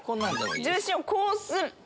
重心をこうすると。